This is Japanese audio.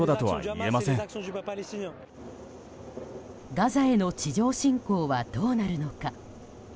ガザへの地上侵攻はどうなるのか。